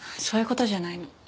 そういう事じゃないの。